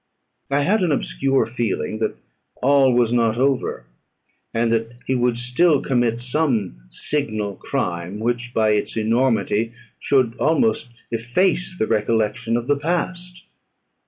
I had an obscure feeling that all was not over, and that he would still commit some signal crime, which by its enormity should almost efface the recollection of the past.